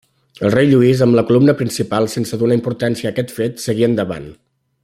El rei Lluís, amb la columna principal, sense donar importància a aquest fet, seguí endavant.